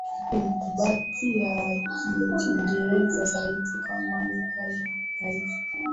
ilikumbatia kiingereza zaidi kama lugha ya Taifa